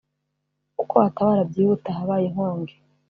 uko watabara byihuta ahabaye inkongi